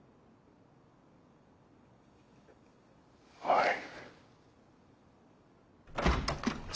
はい。